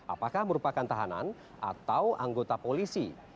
apakah merupakan tahanan atau anggota polisi